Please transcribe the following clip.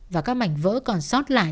và các mảnh vỡ còn sót lại